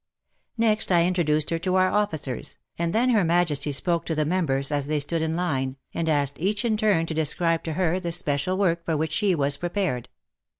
Next I introduced to her our officers, and then Her Majesty spoke to the members as they stood in line, and asked each in turn to describe to her the special work for which she was pre pared.